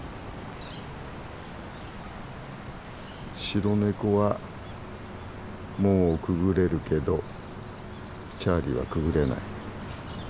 白ネコは門をくぐれるけどチャーリーはくぐれない。